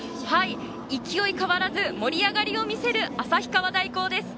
勢い変わらず盛り上がりを見せる旭川大高です。